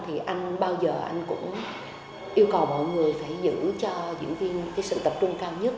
thì anh bao giờ anh cũng yêu cầu mọi người phải giữ cho diễn viên cái sự tập trung cao nhất